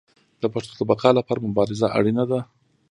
د پښتو د بقا لپاره مبارزه اړینه ده.